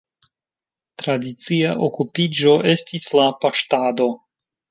Tradicia okupiĝo estis la paŝtado.